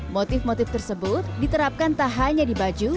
motif motif tersebut diterapkan tak hanya di baju